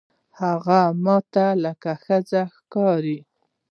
هغه ما ته لکه ښځه ښکارېده.